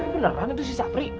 beneran itu si sapri